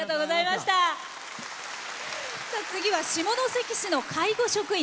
次は下関市の介護職員。